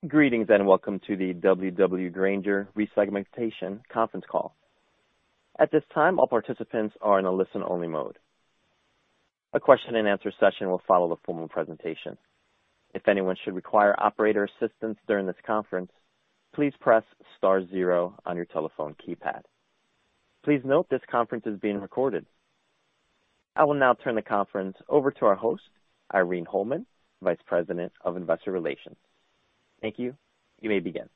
I will now turn the conference over to our host, Irene Holman, Vice President of Investor Relations. Thank you. You may begin.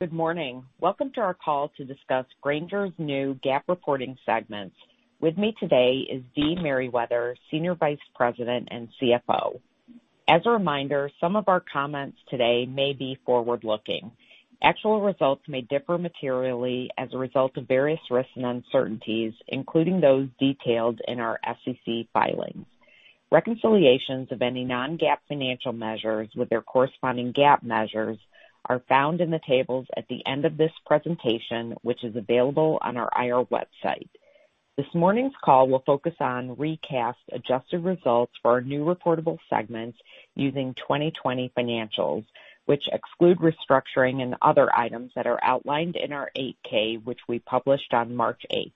Good morning. Welcome to our call to discuss Grainger's new GAAP reporting segments. With me today is Dee Merriwether, Senior Vice President and CFO. As a reminder, some of our comments today may be forward-looking. Actual results may differ materially as a result of various risks and uncertainties, including those detailed in our SEC filings. Reconciliations of any non-GAAP financial measures with their corresponding GAAP measures are found in the tables at the end of this presentation, which is available on our IR website. This morning's call will focus on recast adjusted results for our new reportable segments using 2020 financials, which exclude restructuring and other items that are outlined in our 8-K, which we published on March 8.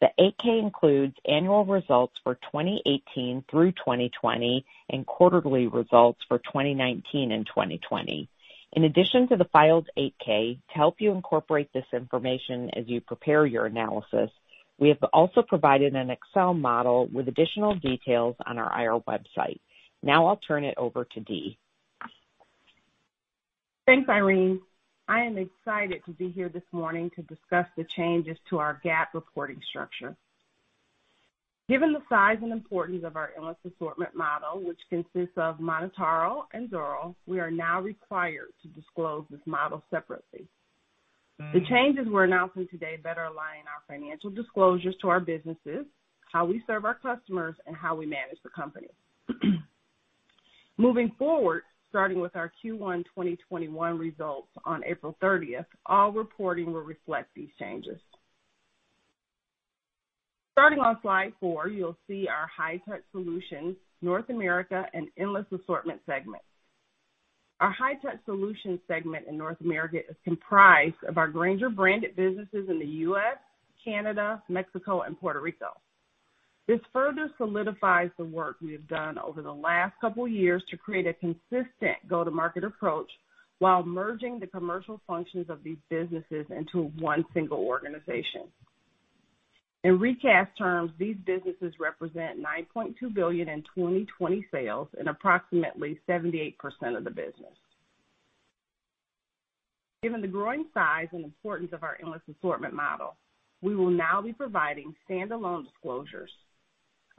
The 8-K includes annual results for 2018 through 2020 and quarterly results for 2019 and 2020. In addition to the filed 8-K, to help you incorporate this information as you prepare your analysis, we have also provided an Excel model with additional details on our IR website. Now I'll turn it over to Dee. Thanks, Irene. I am excited to be here this morning to discuss the changes to our GAAP reporting structure. Given the size and importance of our Endless Assortment model, which consists of MonotaRO and Zoro, we are now required to disclose this model separately. The changes we're announcing today better align our financial disclosures to our businesses, how we serve our customers, and how we manage the company. Moving forward, starting with our Q1 2021 results on April 30th, all reporting will reflect these changes. Starting on slide four, you'll see our High-Touch Solutions N.A. and Endless Assortment segments. Our High-Touch Solutions segment in North America is comprised of our Grainger branded businesses in the U.S., Canada, Mexico, and Puerto Rico. This further solidifies the work we have done over the last couple years to create a consistent go-to-market approach while merging the commercial functions of these businesses into one single organization. In recast terms, these businesses represent $9.2 billion in 2020 sales and approximately 78% of the business. Given the growing size and importance of our Endless Assortment model, we will now be providing standalone disclosures.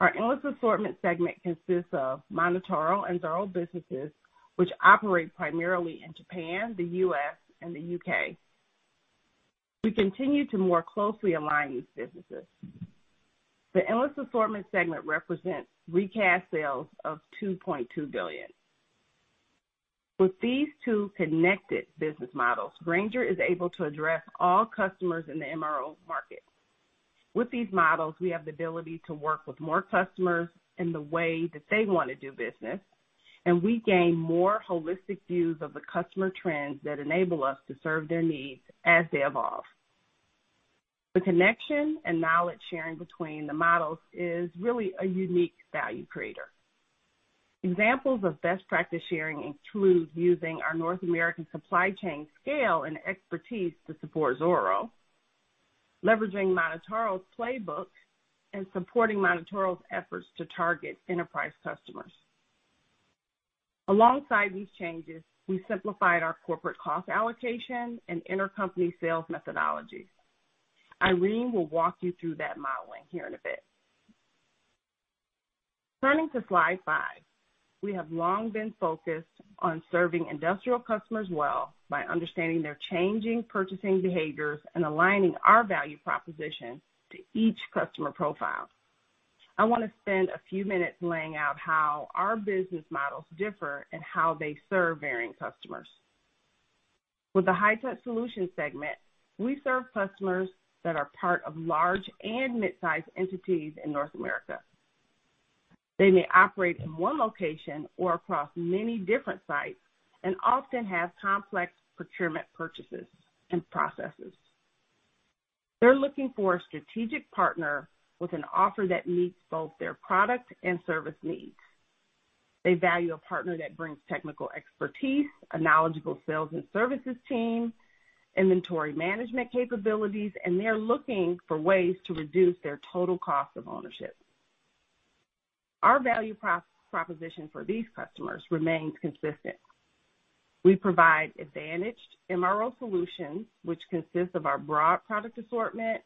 Our Endless Assortment segment consists of MonotaRO and Zoro businesses, which operate primarily in Japan, the U.S., and the U.K. We continue to more closely align these businesses. The Endless Assortment segment represents recast sales of $2.2 billion. With these two connected business models, Grainger is able to address all customers in the MRO market. With these models, we have the ability to work with more customers in the way that they want to do business, and we gain more holistic views of the customer trends that enable us to serve their needs as they evolve. The connection and knowledge sharing between the models is really a unique value creator. Examples of best practice sharing include using our North American supply chain scale and expertise to support Zoro, leveraging MonotaRO's playbook, and supporting MonotaRO's efforts to target enterprise customers. Alongside these changes, we simplified our corporate cost allocation and intercompany sales methodologies. Irene will walk you through that modeling here in a bit. Turning to slide five, we have long been focused on serving industrial customers well by understanding their changing purchasing behaviors and aligning our value proposition to each customer profile. I want to spend a few minutes laying out how our business models differ and how they serve varying customers. With the High-Touch Solutions segment, we serve customers that are part of large and mid-size entities in North America. They may operate in one location or across many different sites and often have complex procurement purchases and processes. They're looking for a strategic partner with an offer that meets both their product and service needs. They value a partner that brings technical expertise, a knowledgeable sales and services team, inventory management capabilities, and they're looking for ways to reduce their total cost of ownership. Our value proposition for these customers remains consistent. We provide advantaged MRO solutions, which consist of our broad product assortment,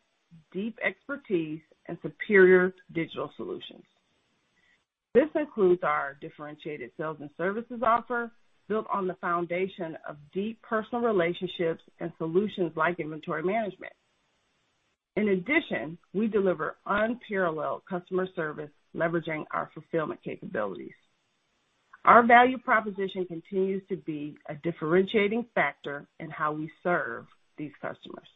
deep expertise, and superior digital solutions. This includes our differentiated sales and services offer built on the foundation of deep personal relationships and solutions like inventory management. In addition, we deliver unparalleled customer service leveraging our fulfillment capabilities. Our value proposition continues to be a differentiating factor in how we serve these customers.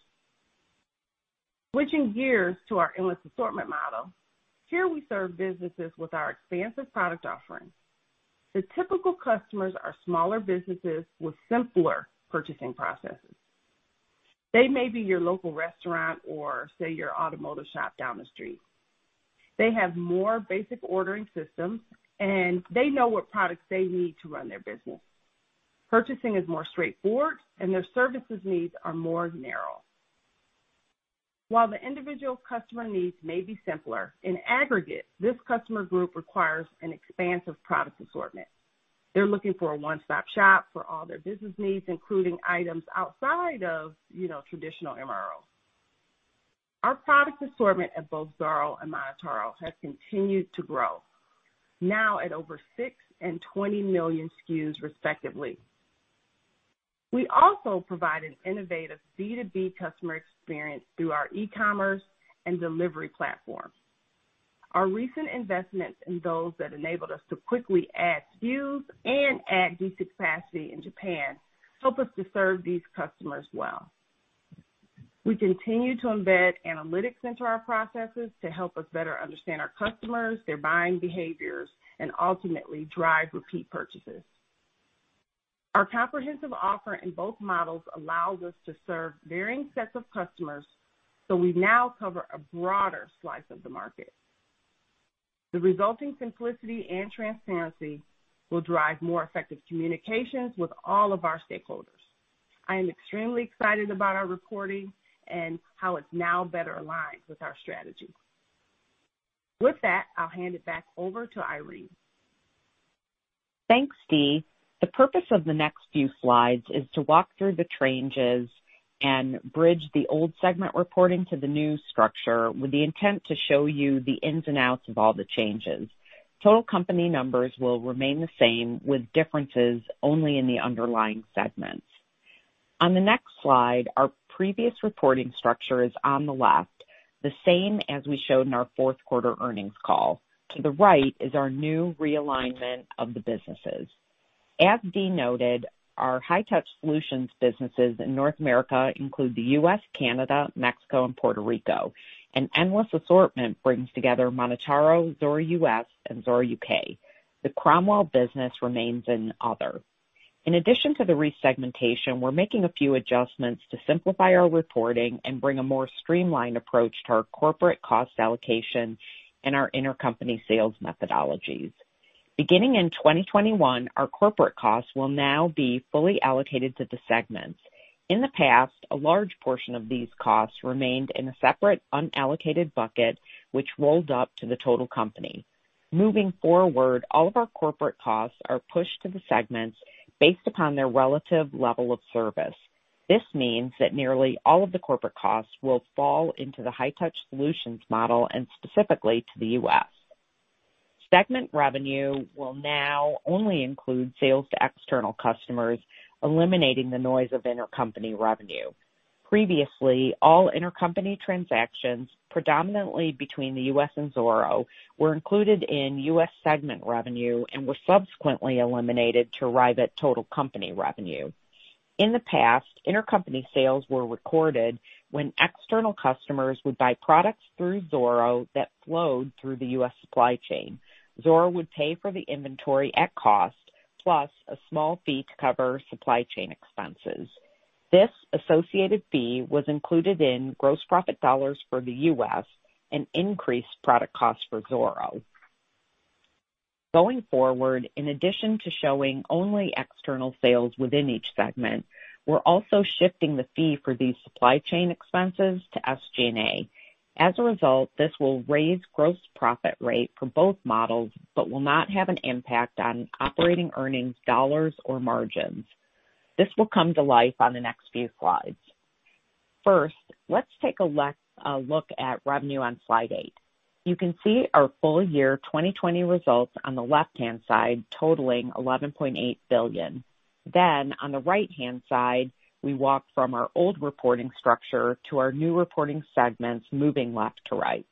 Switching gears to our Endless Assortment model. Here we serve businesses with our expansive product offerings. The typical customers are smaller businesses with simpler purchasing processes. They may be your local restaurant or say, your automotive shop down the street. They have more basic ordering systems, and they know what products they need to run their business. Purchasing is more straightforward, and their services needs are more narrow. While the individual customer needs may be simpler, in aggregate, this customer group requires an expansive product assortment. They're looking for a one-stop shop for all their business needs, including items outside of traditional MRO. Our product assortment at both Zoro and MonotaRO has continued to grow, now at over six and 20 million SKUs respectively. We also provide an innovative B2B customer experience through our e-commerce and delivery platform. Our recent investments in those that enabled us to quickly add SKUs and add DC capacity in Japan help us to serve these customers well. We continue to embed analytics into our processes to help us better understand our customers, their buying behaviors, and ultimately drive repeat purchases. Our comprehensive offer in both models allows us to serve varying sets of customers. We now cover a broader slice of the market. The resulting simplicity and transparency will drive more effective communications with all of our stakeholders. I am extremely excited about our reporting and how it's now better aligned with our strategy. With that, I'll hand it back over to Irene. Thanks, Dee. The purpose of the next few slides is to walk through the changes and bridge the old segment reporting to the new structure with the intent to show you the ins and outs of all the changes. Total company numbers will remain the same, with differences only in the underlying segments. On the next slide, our previous reporting structure is on the left, the same as we showed in our fourth quarter earnings call. To the right is our new realignment of the businesses. As Dee noted, our High-Touch Solutions businesses in North America include the U.S., Canada, Mexico, and Puerto Rico. An Endless Assortment brings together MonotaRO, Zoro U.S., and Zoro U.K. The Cromwell business remains in other. In addition to the resegmentation, we're making a few adjustments to simplify our reporting and bring a more streamlined approach to our corporate cost allocation and our intercompany sales methodologies. Beginning in 2021, our corporate costs will now be fully allocated to the segments. In the past, a large portion of these costs remained in a separate unallocated bucket, which rolled up to the total company. Moving forward, all of our corporate costs are pushed to the segments based upon their relative level of service. This means that nearly all of the corporate costs will fall into the High-Touch Solutions model and specifically to the U.S. Segment revenue will now only include sales to external customers, eliminating the noise of intercompany revenue. Previously, all intercompany transactions, predominantly between the U.S. and Zoro, were included in U.S. segment revenue and were subsequently eliminated to arrive at total company revenue. In the past, intercompany sales were recorded when external customers would buy products through Zoro that flowed through the U.S. supply chain. Zoro would pay for the inventory at cost, plus a small fee to cover supply chain expenses. This associated fee was included in gross profit dollars for the U.S. and increased product costs for Zoro. Going forward, in addition to showing only external sales within each segment, we're also shifting the fee for these supply chain expenses to SG&A. As a result, this will raise gross profit rate for both models, but will not have an impact on operating earnings dollars or margins. This will come to life on the next few slides. First, let's take a look at revenue on slide eight. You can see our full year 2020 results on the left-hand side, totaling $11.8 billion. On the right-hand side, we walk from our old reporting structure to our new reporting segments, moving left to right.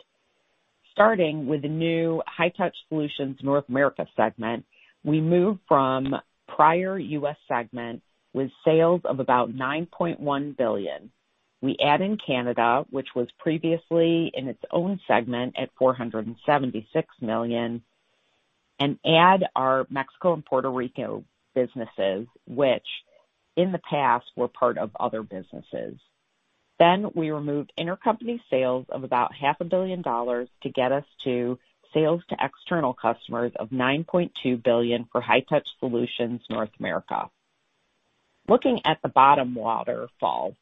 Starting with the new High-Touch Solutions N.A. segment, we move from prior U.S. segment with sales of about $9.1 billion. We add in Canada, which was previously in its own segment at $476 million, and add our Mexico and Puerto Rico businesses, which in the past were part of other businesses. We removed intercompany sales of about half a billion dollars to get us to sales to external customers of $9.2 billion for High-Touch Solutions N.A. Looking at the bottom waterfall.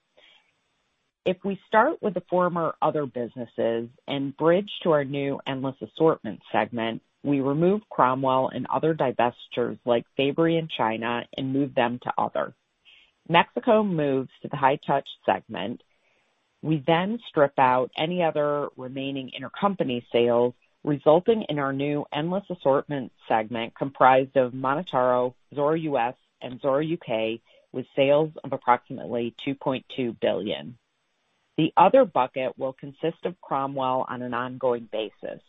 If we start with the former other businesses and bridge to our new Endless Assortment segment, we remove Cromwell and other divestitures like Fabory and China and move them to other. Mexico moves to the High-Touch segment. We strip out any other remaining intercompany sales, resulting in our new Endless Assortment segment comprised of MonotaRO, Zoro U.S., and Zoro U.K., with sales of approximately $2.2 billion. The other bucket will consist of Cromwell on an ongoing basis.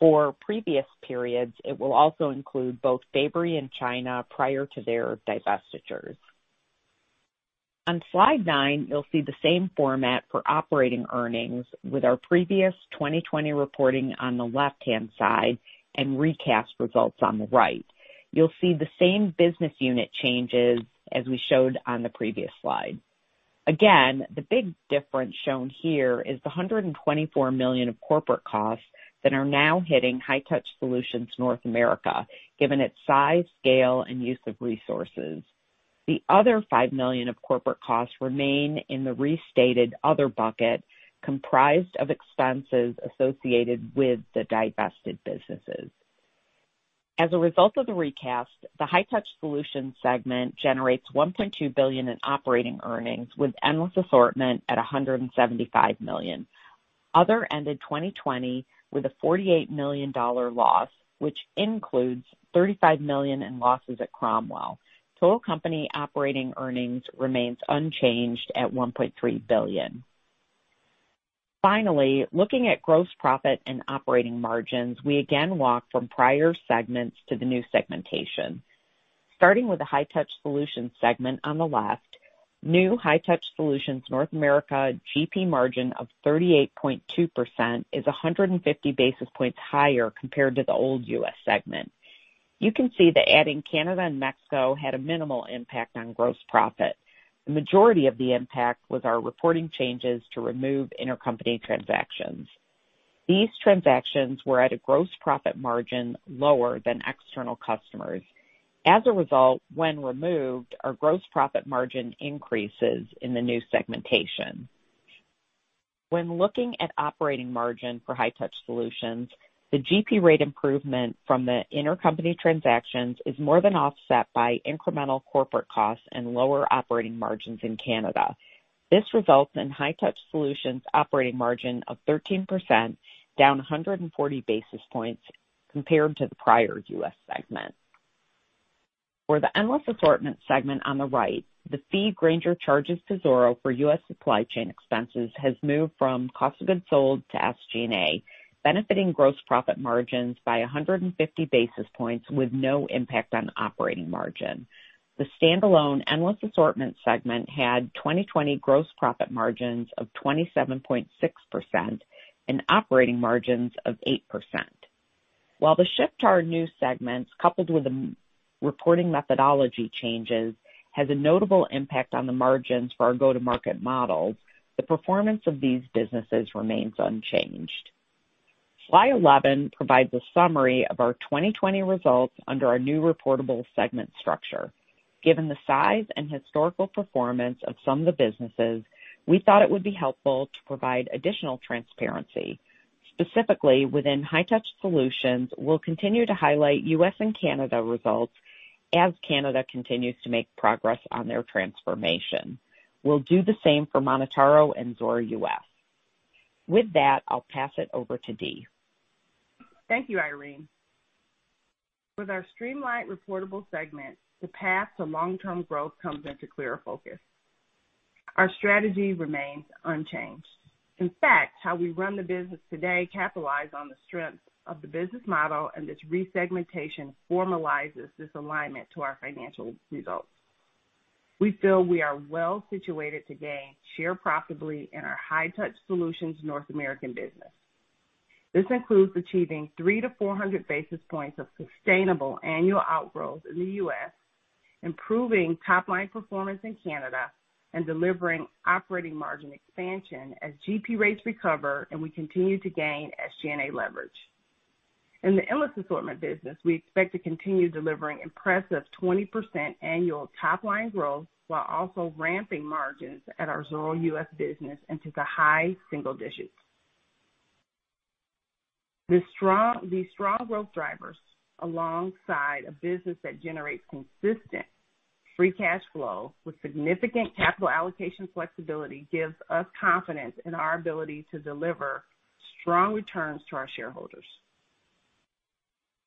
For previous periods, it will also include both Fabory and China prior to their divestitures. On slide nine, you'll see the same format for operating earnings with our previous 2020 reporting on the left-hand side and recast results on the right. You'll see the same business unit changes as we showed on the previous slide. Again, the big difference shown here is the $124 million of corporate costs that are now hitting High-Touch Solutions N.A., given its size, scale, and use of resources. The other $5 million of corporate costs remain in the restated other bucket, comprised of expenses associated with the divested businesses. As a result of the recast, the High-Touch Solutions segment generates $1.2 billion in operating earnings, with Endless Assortment at $175 million. Other ended 2020 with a $48 million loss, which includes $35 million in losses at Cromwell. Total company operating earnings remains unchanged at $1.3 billion. Looking at gross profit and operating margins, we again walk from prior segments to the new segmentation. Starting with the High-Touch Solutions segment on the left, new High-Touch Solutions N.A. GP margin of 38.2% is 150 basis points higher compared to the old U.S. segment. You can see that adding Canada and Mexico had a minimal impact on gross profit. The majority of the impact was our reporting changes to remove intercompany transactions. These transactions were at a gross profit margin lower than external customers. As a result, when removed, our gross profit margin increases in the new segmentation. When looking at operating margin for High-Touch Solutions, the GP rate improvement from the intercompany transactions is more than offset by incremental corporate costs and lower operating margins in Canada. This results in High-Touch Solutions' operating margin of 13%, down 140 basis points compared to the prior U.S. segment. For the Endless Assortment segment on the right, the fee Grainger charges to Zoro for U.S. supply chain expenses has moved from cost of goods sold to SG&A, benefiting gross profit margins by 150 basis points with no impact on operating margin. The stand-alone Endless Assortment segment had 2020 gross profit margins of 27.6% and operating margins of 8%. While the shift to our new segments, coupled with the reporting methodology changes, has a notable impact on the margins for our go-to-market models, the performance of these businesses remains unchanged. Slide 11 provides a summary of our 2020 results under our new reportable segment structure. Given the size and historical performance of some of the businesses, we thought it would be helpful to provide additional transparency. Specifically, within High-Touch Solutions, we'll continue to highlight U.S. and Canada results as Canada continues to make progress on their transformation. We'll do the same for MonotaRO and Zoro U.S. With that, I'll pass it over to Dee. Thank you, Irene. With our streamlined reportable segment, the path to long-term growth comes into clearer focus. Our strategy remains unchanged. In fact, how we run the business today capitalize on the strength of the business model, and this resegmentation formalizes this alignment to our financial results. We feel we are well-situated to gain share profitably in our High-Touch Solutions N.A. business. This includes achieving 300-400 basis points of sustainable annual outgrowths in the U.S., improving top-line performance in Canada, and delivering operating margin expansion as GP rates recover and we continue to gain SG&A leverage. In the Endless Assortment business, we expect to continue delivering impressive 20% annual top-line growth while also ramping margins at our Zoro U.S. business into the high single digits. These strong growth drivers, alongside a business that generates consistent free cash flow with significant capital allocation flexibility, gives us confidence in our ability to deliver strong returns to our shareholders.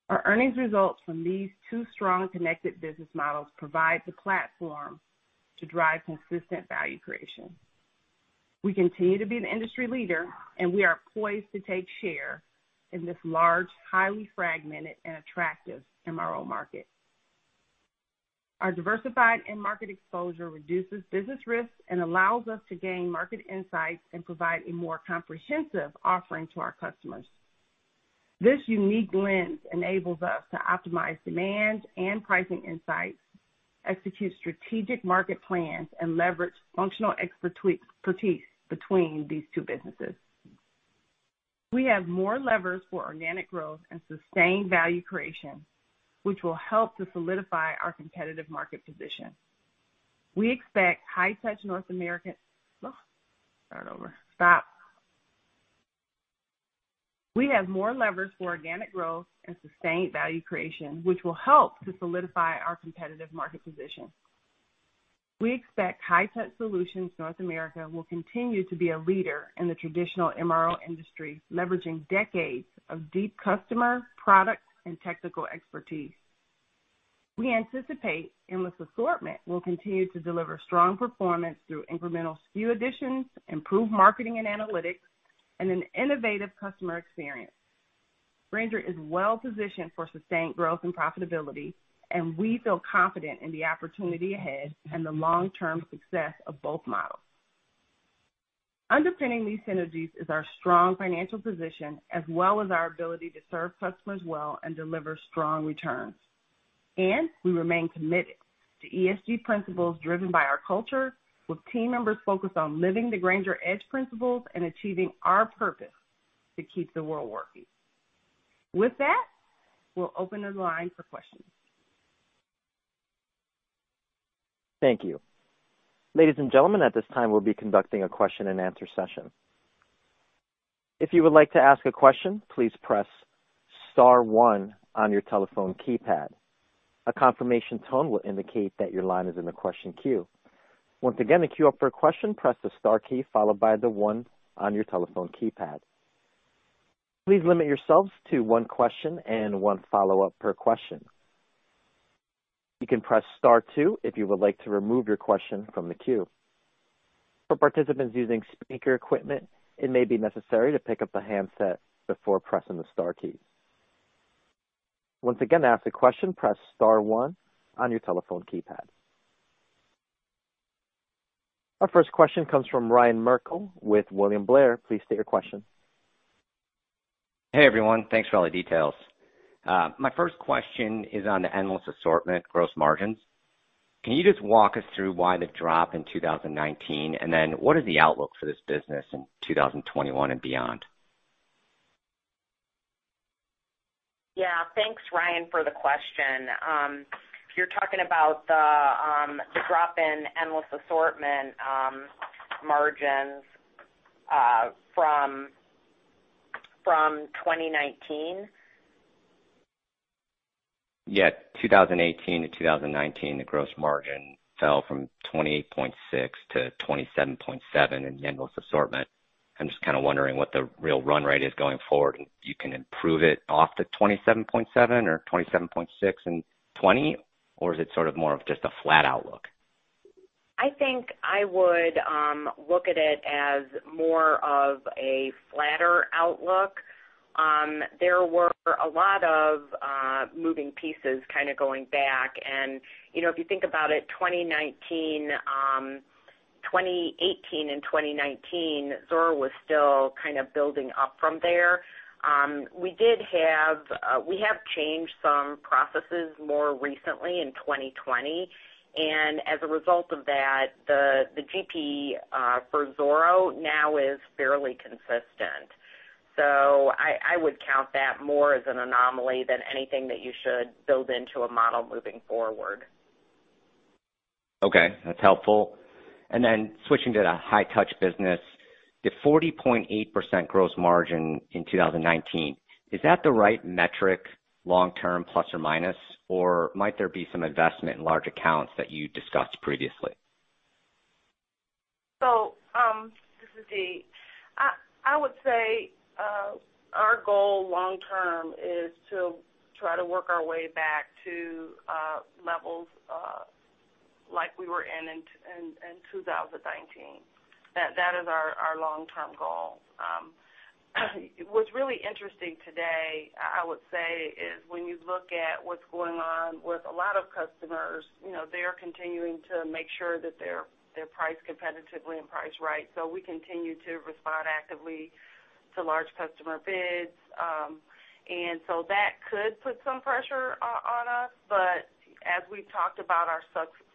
Our earnings results from these two strong connected business models provide the platform to drive consistent value creation. We continue to be an industry leader, and we are poised to take share in this large, highly fragmented and attractive MRO market. Our diversified end market exposure reduces business risks and allows us to gain market insights and provide a more comprehensive offering to our customers. This unique lens enables us to optimize demand and pricing insights, execute strategic market plans, and leverage functional expertise between these two businesses. We have more levers for organic growth and sustained value creation, which will help to solidify our competitive market position. We have more levers for organic growth and sustained value creation, which will help to solidify our competitive market position. We expect High-Touch Solutions N.A. will continue to be a leader in the traditional MRO industry, leveraging decades of deep customer, product, and technical expertise. We anticipate Endless Assortment will continue to deliver strong performance through incremental SKU additions, improved marketing and analytics, and an innovative customer experience. Grainger is well positioned for sustained growth and profitability. We feel confident in the opportunity ahead and the long-term success of both models. Underpinning these synergies is our strong financial position as well as our ability to serve customers well and deliver strong returns. We remain committed to ESG principles driven by our culture, with team members focused on living the Grainger Edge principles and achieving our purpose to keep the world working. With that, we'll open the line for questions. Thank you. Ladies and gentlemen, at this time we'll be conducting a question and answer session. If you would like to ask a question, please press star one on your telephone keypad. A confirmation tone will indicate that your line is in the question queue. Once again, to queue up for a question, press the star key followed by the one on your telephone keypad. Please limit yourselves to one question and one follow-up per question. You can press star two if you would like to remove your question from the queue. For participants using speaker equipment, it may be necessary to pick up the handset before pressing the star key. Once again, to ask a question, press star one on your telephone keypad. Our first question comes from Ryan Merkel with William Blair. Please state your question. Hey, everyone. Thanks for all the details. My first question is on the Endless Assortment gross margins. Can you just walk us through why the drop in 2019? What is the outlook for this business in 2021 and beyond? Yeah. Thanks, Ryan, for the question. You're talking about the drop in Endless Assortment margins from 2019? Yeah, 2018 to 2019, the gross margin fell from 28.6% to 27.7% in Endless Assortment. I'm just kind of wondering what the real run rate is going forward, you can improve it off the 27.7% or 27.6% in 2020, or is it sort of more just a flat outlook? I think I would look at it as more of a flatter outlook. There were a lot of moving pieces kind of going back. If you think about it, 2018 and 2019, Zoro was still kind of building up from there. We have changed some processes more recently in 2020, and as a result of that, the GP for Zoro now is fairly consistent. I would count that more as an anomaly than anything that you should build into a model moving forward. Okay, that's helpful. Switching to the High-Touch business, the 40.8% gross margin in 2019, is that the right metric long term, plus or minus, or might there be some investment in large accounts that you discussed previously? This is Dee. I would say our goal long term is to try to work our way back to levels like we were in 2019. That is our long-term goal. What's really interesting today, I would say, is when you look at what's going on with a lot of customers, they are continuing to make sure that they're priced competitively and priced right. We continue to respond actively to large customer bids. That could put some pressure on us. As we've talked about our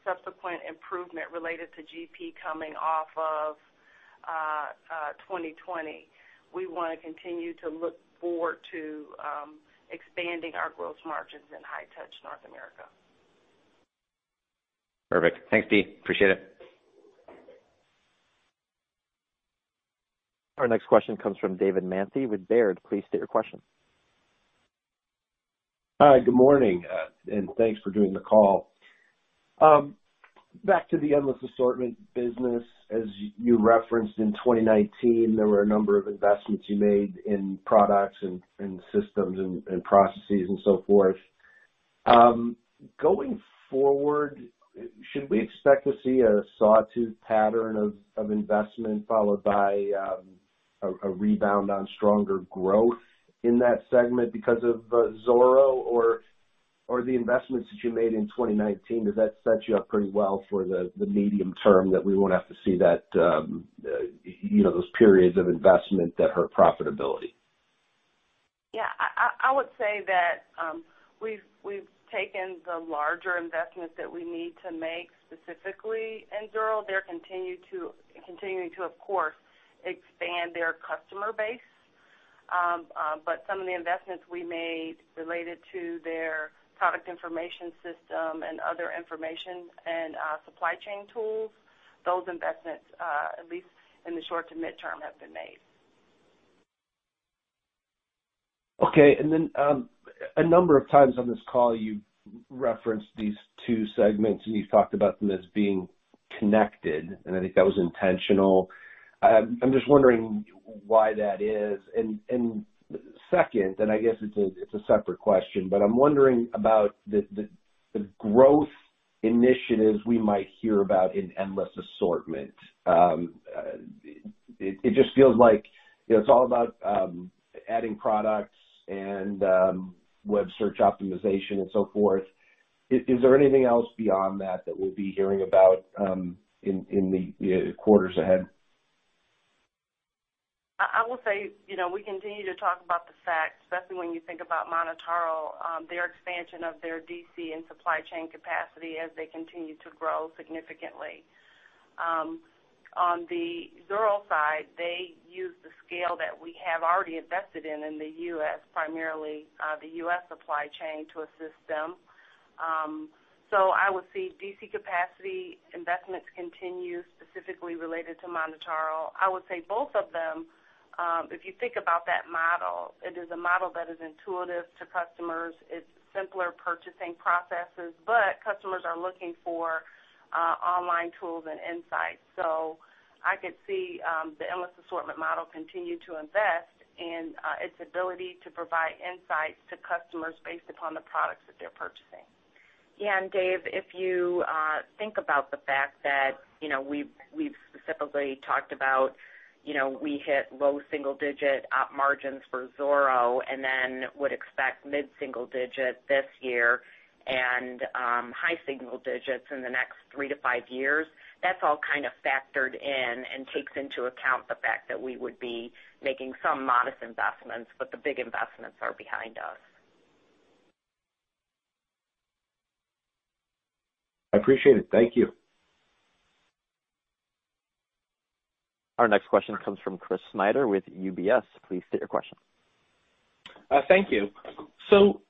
subsequent improvement related to GP coming off of 2020, we want to continue to look forward to expanding our gross margins in High-Touch Solutions North America. Perfect. Thanks, Dee. Appreciate it. Our next question comes from David Manthey with Baird. Please state your question. Hi. Good morning, and thanks for doing the call. Back to the Endless Assortment business. As you referenced in 2019, there were a number of investments you made in products and systems and processes and so forth. Going forward, should we expect to see a sawtooth pattern of investment followed by a rebound on stronger growth in that segment because of Zoro or the investments that you made in 2019? Does that set you up pretty well for the medium term that we won't have to see those periods of investment that hurt profitability? Yeah. I would say that we've taken the larger investments that we need to make, specifically in Zoro. They're continuing to, of course, expand their customer base. Some of the investments we made related to their product information system and other information and supply chain tools, those investments, at least in the short to midterm, have been made. Okay. A number of times on this call, you've referenced these two segments, and you've talked about them as being connected, and I think that was intentional. I'm just wondering why that is. Second, and I guess it's a separate question, but I'm wondering about the growth initiatives we might hear about in Endless Assortment. It just feels like it's all about adding products and web search optimization and so forth. Is there anything else beyond that we'll be hearing about in the quarters ahead? I will say, we continue to talk about the facts, especially when you think about MonotaRO, their expansion of their DC and supply chain capacity as they continue to grow significantly. On the Zoro side, they use the scale that we have already invested in the U.S., primarily, the U.S. supply chain to assist them. I would say DC capacity investments continue specifically related to MonotaRO. I would say both of them, if you think about that model, it is a model that is intuitive to customers. It's simpler purchasing processes, but customers are looking for online tools and insights. I could see the Endless Assortment model continue to invest in its ability to provide insights to customers based upon the products that they're purchasing. Yeah. Dave, if you think about the fact that we've specifically talked about we hit low single-digit op margins for Zoro and then would expect mid-single digit this year and high single digits in the next three to five years. That's all kind of factored in and takes into account the fact that we would be making some modest investments, but the big investments are behind us. I appreciate it. Thank you. Our next question comes from Chris Snyder with UBS. Please state your question. Thank you.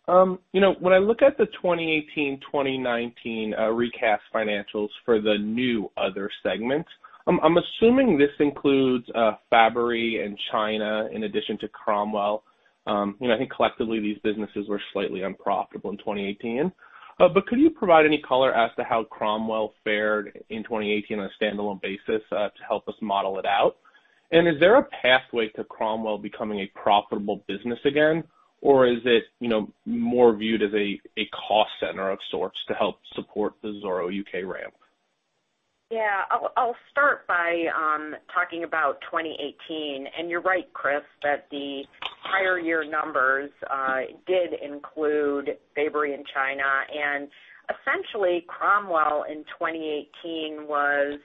When I look at the 2018, 2019 recast financials for the new other segment, I'm assuming this includes Fabory and China in addition to Cromwell. I think collectively, these businesses were slightly unprofitable in 2018. Could you provide any color as to how Cromwell fared in 2018 on a standalone basis to help us model it out? Is there a pathway to Cromwell becoming a profitable business again? Or is it more viewed as a cost center of sorts to help support the Zoro U.K. ramp? Yeah. I'll start by talking about 2018. You're right, Chris, that the prior year numbers did include Fabory and China. Essentially, Cromwell in 2018 was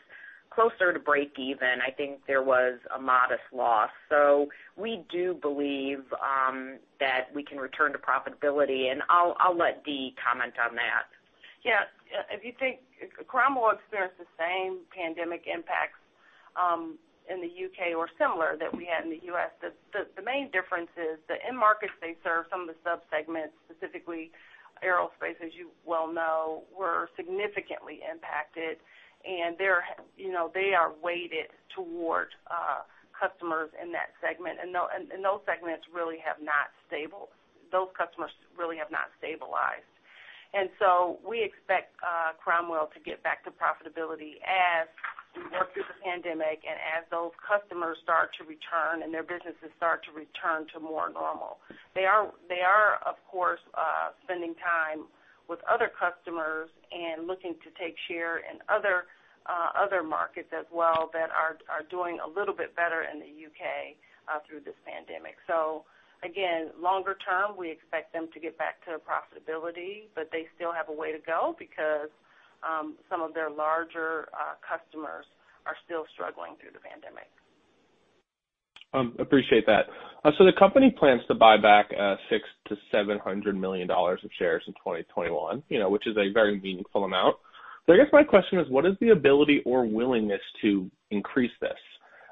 closer to breakeven. I think there was a modest loss. We do believe that we can return to profitability, and I'll let Dee comment on that. Yeah. If you think, Cromwell experienced the same pandemic impacts in the U.K. or similar that we had in the U.S. The main difference is that in markets they serve, some of the sub-segments, specifically aerospace, as you well know, were significantly impacted, and they are weighted towards customers in that segment. Those segments really have not stable. Those customers really have not stabilized. So we expect Cromwell to get back to profitability as we work through the pandemic and as those customers start to return and their businesses start to return to more normal. They are, of course, spending time with other customers and looking to take share in other markets as well that are doing a little bit better in the U.K. through this pandemic. Again, longer term, we expect them to get back to profitability, but they still have a way to go because some of their larger customers are still struggling through the pandemic. Appreciate that. The company plans to buy back $600 million-$700 million of shares in 2021, which is a very meaningful amount. I guess my question is, what is the ability or willingness to increase this?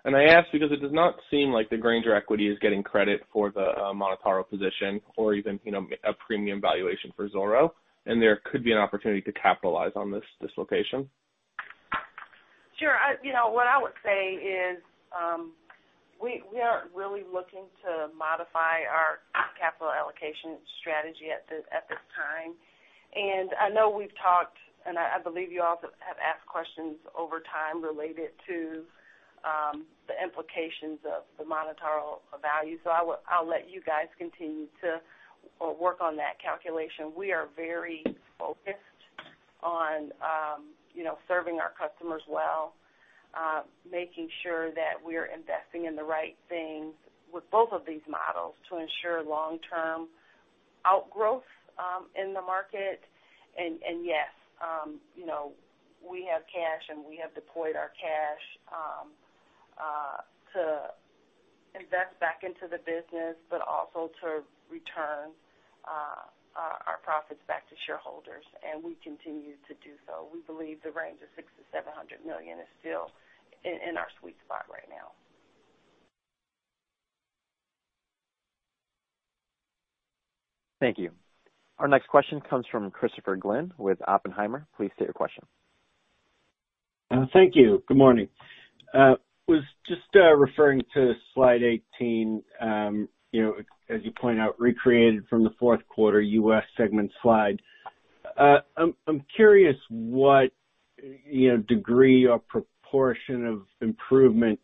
I ask because it does not seem like the Grainger equity is getting credit for the MonotaRO position or even a premium valuation for Zoro, and there could be an opportunity to capitalize on this dislocation. Sure. What I would say is, we aren't really looking to modify our capital allocation strategy at this time. I know we've talked, and I believe you all have asked questions over time related to the implications of the MonotaRO value. I'll let you guys continue to work on that calculation. We are very focused on serving our customers well, making sure that we're investing in the right things with both of these models to ensure long-term outgrowth in the market. Yes, we have cash, and we have deployed our cash to invest back into the business, but also to return our profits back to shareholders, and we continue to do so. We believe the range of $600 million-$700 million is still in our sweet spot right now. Thank you. Our next question comes from Christopher Glynn with Oppenheimer. Please state your question. Thank you. Good morning. Was just referring to slide 18, as you point out, recreated from the fourth quarter U.S. segment slide. I'm curious what degree or proportion of improvement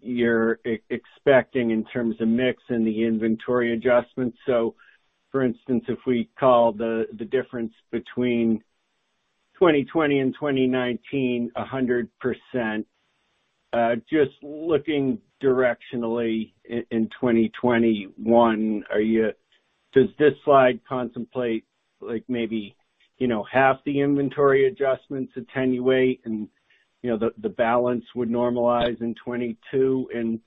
you're expecting in terms of mix and the inventory adjustments. So for instance, if we call the difference between 2020 and 2019, 100%, just looking directionally in 2021, does this slide contemplate like maybe half the inventory adjustments attenuate and the balance would normalize in 2022?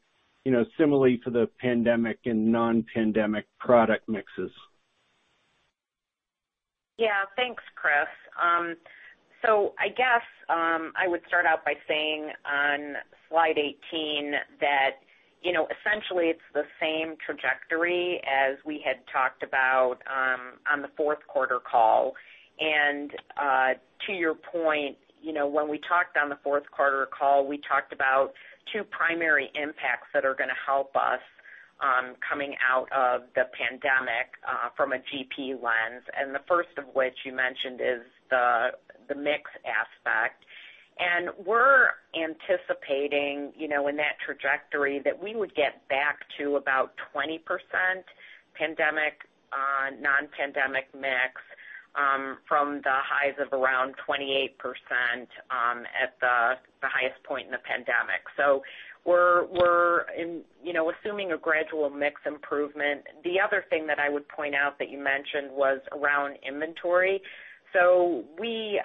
Similarly for the pandemic and non-pandemic product mixes. Yeah. Thanks, Chris. I guess, I would start out by saying on slide 18 that essentially it's the same trajectory as we had talked about on the fourth quarter call. To your point, when we talked on the fourth quarter call, we talked about two primary impacts that are going to help us, coming out of the pandemic, from a GP lens. The first of which you mentioned is the mix aspect. We're anticipating, in that trajectory, that we would get back to about 20% pandemic on non-pandemic mix, from the highs of around 28% at the highest point in the pandemic. We're assuming a gradual mix improvement. The other thing that I would point out that you mentioned was around inventory. We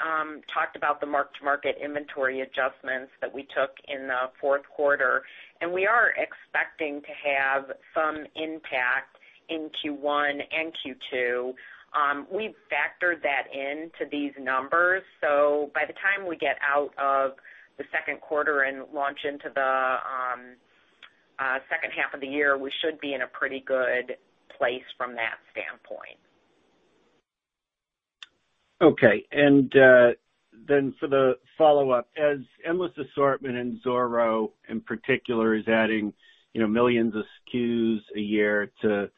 talked about the mark-to-market inventory adjustments that we took in the fourth quarter, and we are expecting to have some impact in Q1 and Q2. We've factored that in to these numbers, by the time we get out of the second quarter and launch into the second half of the year, we should be in a pretty good place from that standpoint. Okay. Then for the follow-up. As Endless Assortment and Zoro in particular is adding millions of SKUs a year to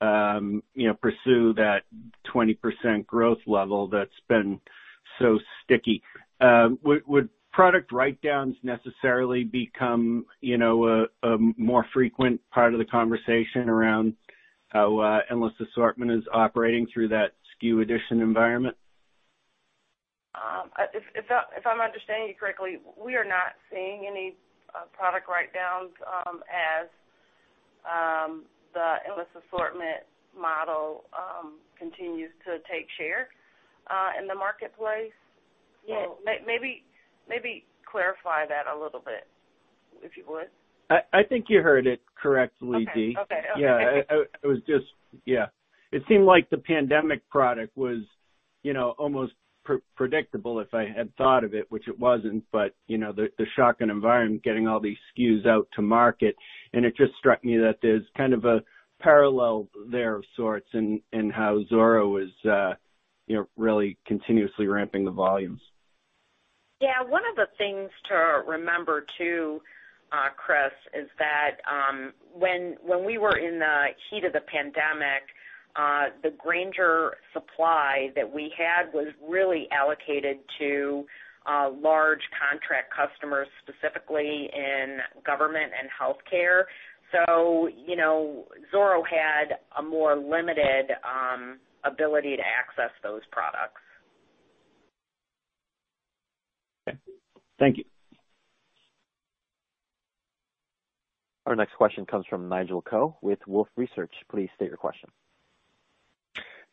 pursue that 20% growth level that's been so sticky, would product write-downs necessarily become a more frequent part of the conversation around how Endless Assortment is operating through that SKU addition environment? If I'm understanding you correctly, we are not seeing any product write-downs as the Endless Assortment model continues to take share in the marketplace. Yeah. Maybe clarify that a little bit, if you would. I think you heard it correctly, Dee. Okay. Yeah. It seemed like the pandemic product was almost predictable if I had thought of it, which it wasn't, but the shock and environment, getting all these SKUs out to market, and it just struck me that there's kind of a parallel there of sorts in how Zoro is really continuously ramping the volumes. Yeah. One of the things to remember, too, Chris, is that when we were in the heat of the pandemic, the Grainger supply that we had was really allocated to large contract customers, specifically in government and healthcare. Zoro had a more limited ability to access those products. Okay. Thank you. Our next question comes from Nigel Coe with Wolfe Research. Please state your question.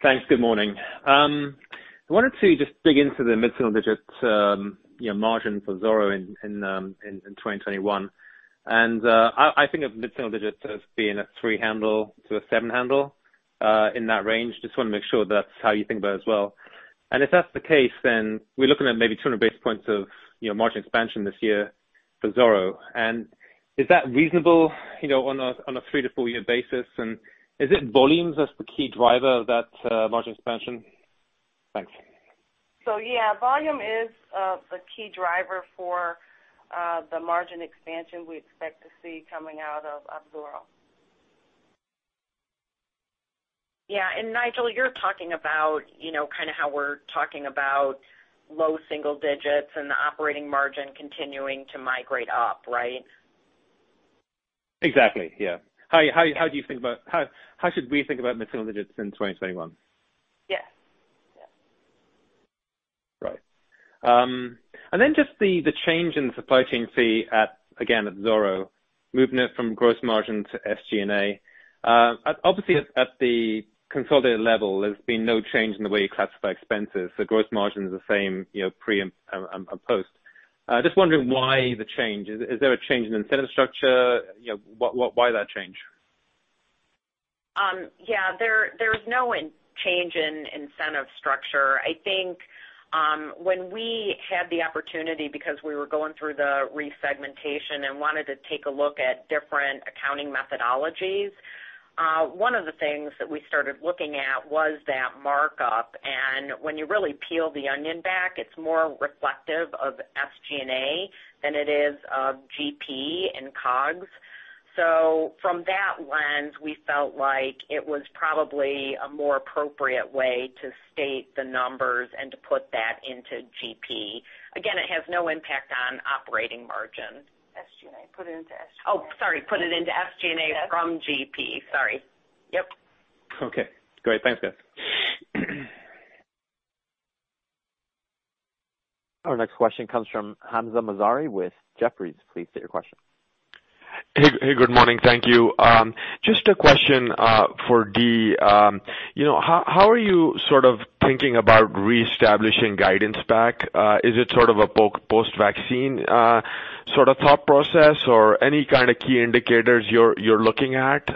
Thanks. Good morning. I wanted to just dig into the mid-single digits margin for Zoro in 2021. I think of mid-single digits as being a 3-handle to a 7-handle, in that range. Just want to make sure that's how you think about it as well. If that's the case, then we're looking at maybe 200 basis points of margin expansion this year for Zoro. Is that reasonable on a three to four year basis, and is it volumes as the key driver of that margin expansion? Thanks. Yeah, volume is the key driver for the margin expansion we expect to see coming out of Zoro. Yeah. Nigel, you're talking about kind of how we're talking about low single digits and the operating margin continuing to migrate up, right? Exactly, yeah. How should we think about mid-single digits in 2021? Yes. Right. Then just the change in supply chain fee at, again, at Zoro, moving it from gross margin to SG&A. Obviously at the consolidated level, there's been no change in the way you classify expenses. The gross margin is the same pre and post. Just wondering why the change. Is there a change in incentive structure? Why that change? Yeah, there is no change in incentive structure. I think, when we had the opportunity because we were going through the resegmentation and wanted to take a look at different accounting methodologies. One of the things that we started looking at was that markup. When you really peel the onion back, it's more reflective of SG&A than it is of GP and COGS. From that lens, we felt like it was probably a more appropriate way to state the numbers and to put that into GP. Again, it has no impact on operating margin. SG&A, put it into SG&A. Oh, sorry. Put it into SG&A from GP. Sorry. Yep. Okay, great. Thanks, guys. Our next question comes from Hamzah Mazari with Jefferies. Please state your question. Hey. Good morning. Thank you. Just a question for Dee. How are you thinking about reestablishing guidance back? Is it a post-vaccine thought process, or any kind of key indicators you're looking at?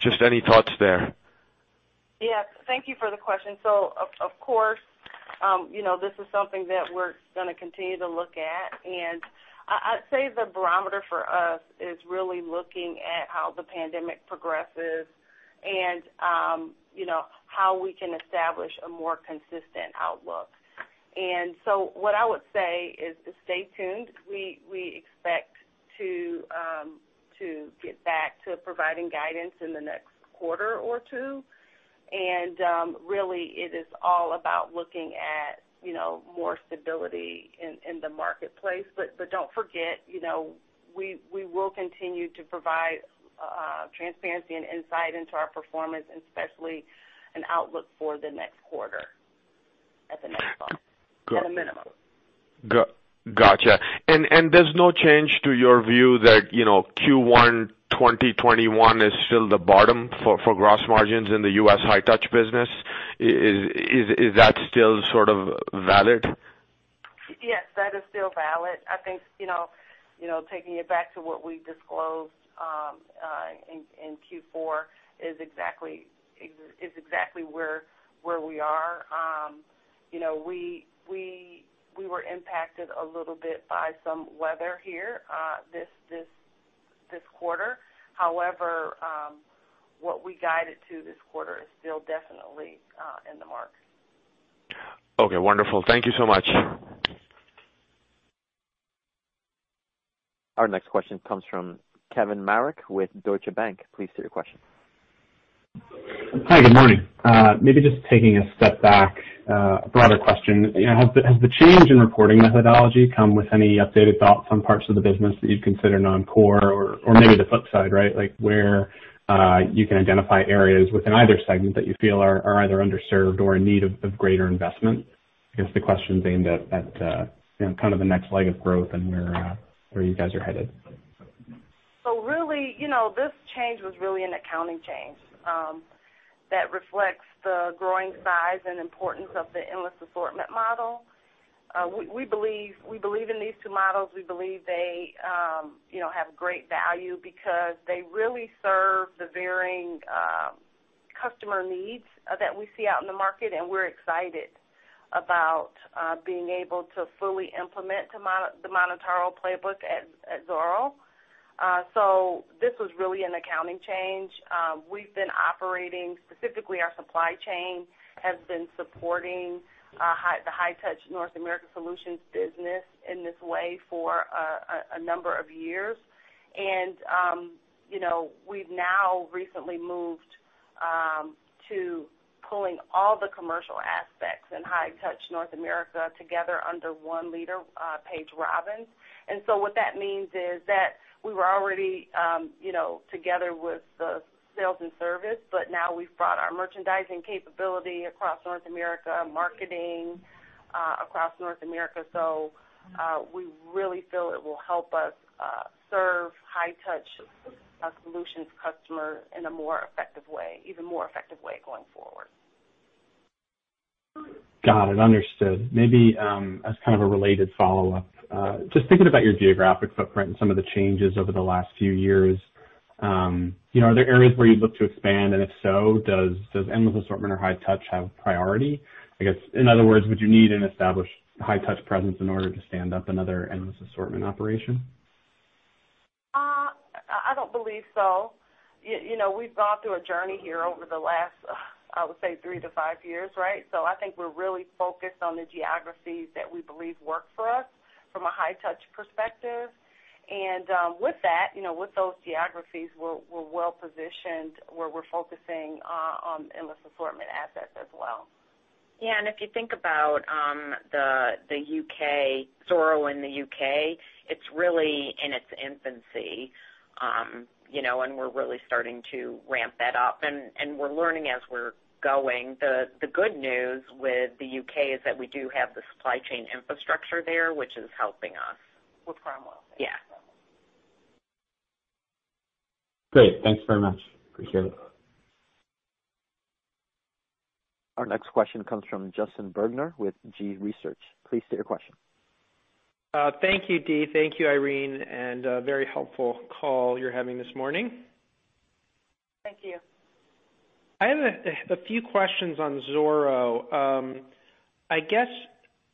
Just any thoughts there. Yeah. Thank you for the question. Of course, this is something that we're going to continue to look at. I'd say the barometer for us is really looking at how the pandemic progresses and how we can establish a more consistent outlook. What I would say is to stay tuned. We expect to get back to providing guidance in the next quarter or two, and really it is all about looking at more stability in the marketplace. Don't forget, we will continue to provide transparency and insight into our performance and especially an outlook for the next quarter at the next call at a minimum. Got you. There's no change to your view that Q1 2021 is still the bottom for gross margins in the U.S. High-Touch business? Is that still valid? Yes, that is still valid. I think, taking it back to what we disclosed in Q4 is exactly where we are. We were impacted a little bit by some weather here this quarter. However, what we guided to this quarter is still definitely in the mark. Okay, wonderful. Thank you so much. Our next question comes from Kevin Marek with Deutsche Bank. Please state your question. Hi. Good morning. Maybe just taking a step back, a broader question. Has the change in reporting methodology come with any updated thoughts on parts of the business that you'd consider non-core? Or maybe the flip side, right? Where you can identify areas within either segment that you feel are either underserved or in need of greater investment. I guess the question's aimed at the next leg of growth and where you guys are headed. Really, this change was really an accounting change that reflects the growing size and importance of the Endless Assortment model. We believe in these two models. We believe they have great value because they really serve the varying customer needs that we see out in the market, and we're excited about being able to fully implement the MonotaRO playbook at Zoro. This was really an accounting change. We've been operating, specifically our supply chain, has been supporting the High-Touch Solutions N.A. business in this way for a number of years. We've now recently moved to pulling all the commercial aspects in High-Touch North America together under one leader, Paige Robbins. What that means is that we were already together with the sales and service, but now we've brought our merchandising capability across North America, marketing across North America. We really feel it will help us serve High-Touch Solutions customers in a more effective way, even more effective way going forward. Got it. Understood. Maybe as kind of a related follow-up, just thinking about your geographic footprint and some of the changes over the last few years, are there areas where you'd look to expand? If so, does Endless Assortment or High Touch have priority? I guess, in other words, would you need an established High Touch presence in order to stand up another Endless Assortment operation? I don't believe so. We've gone through a journey here over the last, I would say three to five years, right? I think we're really focused on the geographies that we believe work for us from a High Touch perspective. With that, with those geographies, we're well positioned where we're focusing on Endless Assortment assets as well. Yeah, if you think about Zoro in the U.K., it's really in its infancy, and we're really starting to ramp that up. We're learning as we're going. The good news with the U.K. is that we do have the supply chain infrastructure there, which is helping us. With Cromwell. Yeah. Great. Thanks very much. Appreciate it. Our next question comes from Justin Bergner with G.research. Please state your question. Thank you, Dee. Thank you, Irene, and a very helpful call you're having this morning. Thank you. I have a few questions on Zoro. I guess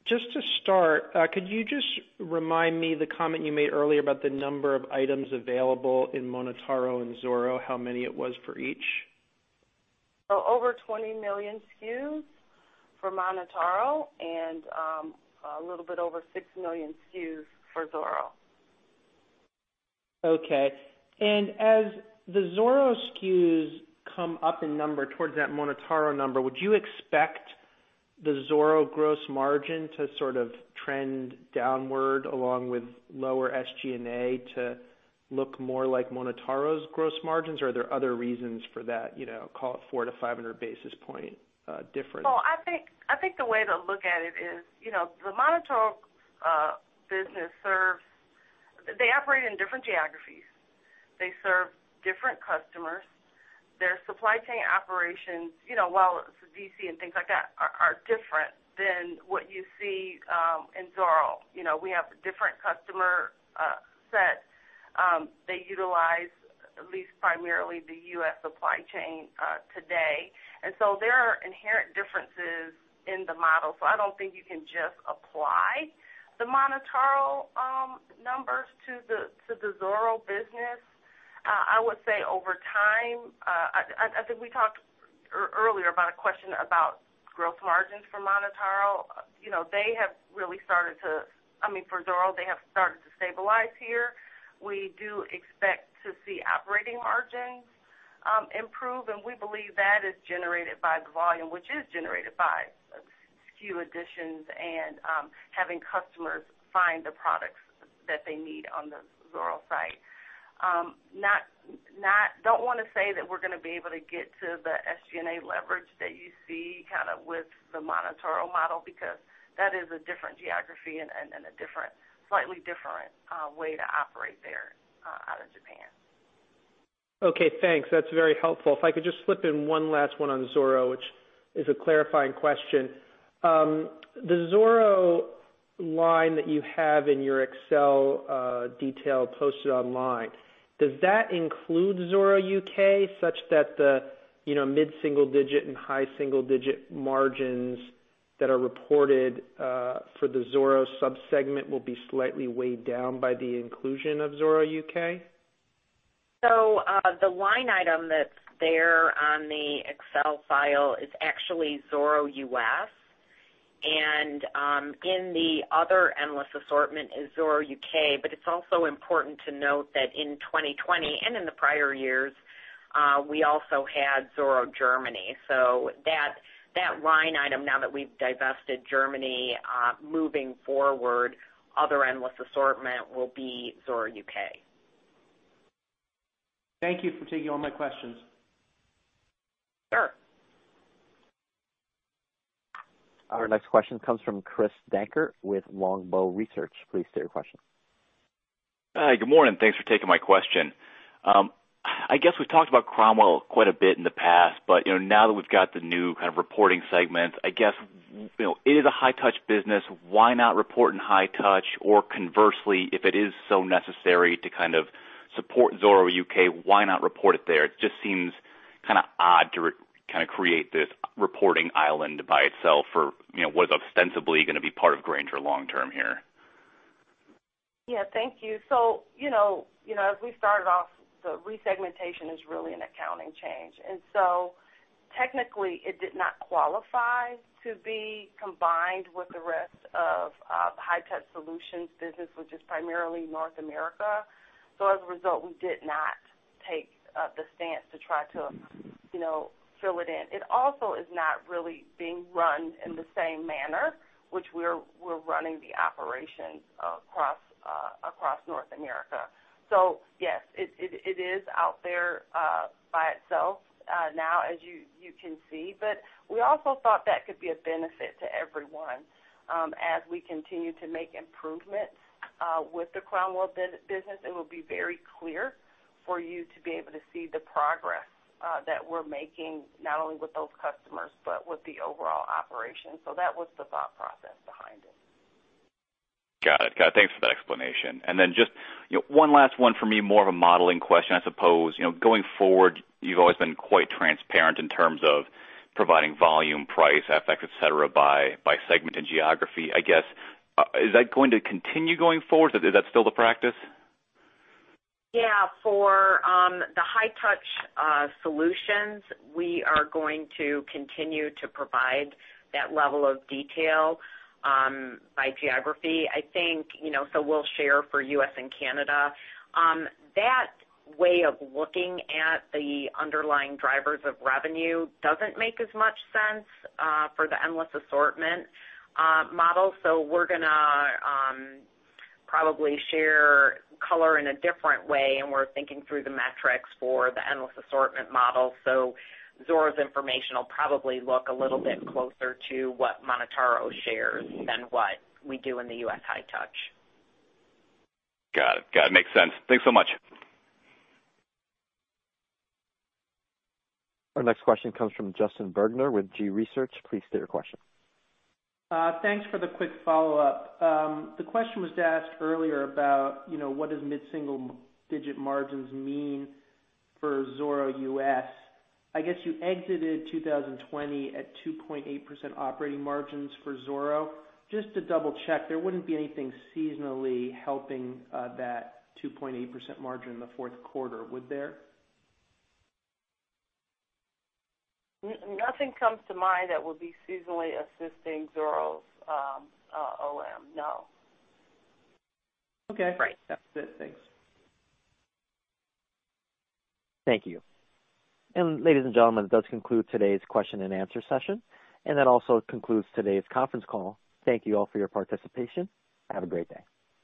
just to start, could you just remind me the comment you made earlier about the number of items available in MonotaRO and Zoro, how many it was for each? Over 20 million SKUs for MonotaRO and a little bit over 6 million SKUs for Zoro. Okay. As the Zoro SKUs come up in number towards that MonotaRO number, would you expect the Zoro gross margin to sort of trend downward along with lower SG&A to look more like MonotaRO's gross margins? Are there other reasons for that call it four to 500 basis point difference? I think the way to look at it is, the MonotaRO business, they operate in different geographies. They serve different customers. Their supply chain operations, while it's DC and things like that, are different than what you see, in Zoro. We have different customer sets. They utilize at least primarily the U.S. supply chain, today. There are inherent differences in the model. I don't think you can just apply the MonotaRO numbers to the Zoro business. I would say over time, I think we talked earlier about a question about gross margins for MonotaRO. For Zoro, they have started to stabilize here. We do expect to see operating margins improve, and we believe that is generated by the volume, which is generated by SKU additions and having customers find the products that they need on the Zoro site. Don't want to say that we're going to be able to get to the SG&A leverage that you see kind of with the MonotaRO model, because that is a different geography and a slightly different way to operate there, out of Japan. Okay, thanks. That's very helpful. If I could just slip in one last one on Zoro, which is a clarifying question. The Zoro line that you have in your Excel detail posted online, does that include Zoro UK such that the mid-single digit and high single-digit margins that are reported for the Zoro sub-segment will be slightly weighed down by the inclusion of Zoro U.K.? The line item that's there on the Excel file is actually Zoro U.S. In the other Endless Assortment is Zoro U.K., but it's also important to note that in 2020 and in the prior years, we also had Zoro Germany. That line item now that we've divested Germany, moving forward, other Endless Assortment will be Zoro U.K. Thank you for taking all my questions. Sure. Our next question comes from Chris Dankert with Longbow Research. Please state your question. Hi, good morning. Thanks for taking my question. I guess we've talked about Cromwell quite a bit in the past. Now that we've got the new kind of reporting segments, I guess, it is a High-Touch business. Why not report in High-Touch? Conversely, if it is so necessary to kind of support Zoro U.K., why not report it there? It just seems kind of odd to kind of create this reporting island by itself for what is ostensibly going to be part of Grainger long term here. Yeah. Thank you. As we started off, the resegmentation is really an accounting change. Technically it did not qualify to be combined with the rest of the High-Touch Solutions business, which is primarily North America. As a result, we did not take the stance to try to fill it in. It also is not really being run in the same manner, which we're running the operations across North America. Yes, it is out there by itself now as you can see. We also thought that could be a benefit to everyone, as we continue to make improvements, with the Cromwell business, it will be very clear for you to be able to see the progress that we're making, not only with those customers, but with the overall operation. That was the thought process behind it. Got it. Thanks for that explanation. Just one last one for me, more of a modeling question, I suppose. Going forward, you've always been quite transparent in terms of providing volume, price effects, et cetera, by segment and geography. Is that going to continue going forward? Is that still the practice? Yeah. For the High-Touch Solutions, we are going to continue to provide that level of detail, by geography. We'll share for U.S. and Canada. That way of looking at the underlying drivers of revenue doesn't make as much sense for the Endless Assortment model. We're going to probably share color in a different way, and we're thinking through the metrics for the Endless Assortment model. Zoro's information will probably look a little bit closer to what MonotaRO shares than what we do in the U.S. High-Touch. Got it. Makes sense. Thanks so much. Our next question comes from Justin Bergner with G.research. Please state your question. Thanks for the quick follow-up. The question was asked earlier about what does mid-single digit margins mean for Zoro U.S. I guess you exited 2020 at 2.8% operating margins for Zoro. Just to double check, there wouldn't be anything seasonally helping that 2.8% margin in the fourth quarter, would there? Nothing comes to mind that will be seasonally assisting Zoro's, OM, no. Okay. Right. That's it. Thanks. Thank you. And ladies and gentlemen, that does conclude today's question and answer session, and that also concludes today's conference call. Thank you all for your participation. Have a great day.